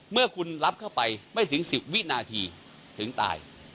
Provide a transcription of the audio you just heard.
เมื่อคุณรับเข้าไปไม่ถึง๑๐วินาทีถึงตาย